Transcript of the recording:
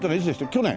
去年？